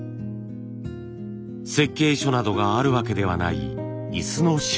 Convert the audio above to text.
設計書などがあるわけではない椅子の修理。